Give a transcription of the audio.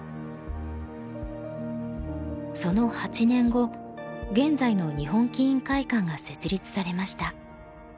その８年後現在の日本棋院会館が設立されました。